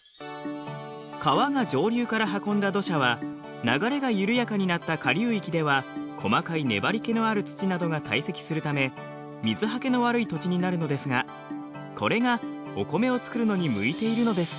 川が上流から運んだ土砂は流れが緩やかになった下流域では細かい粘りけのある土などが堆積するため水はけの悪い土地になるのですがこれがお米を作るのに向いているのです。